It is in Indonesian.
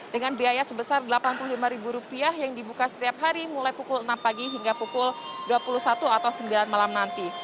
dengan biaya sebesar rp delapan puluh lima yang dibuka setiap hari mulai pukul enam pagi hingga pukul dua puluh satu atau sembilan malam nanti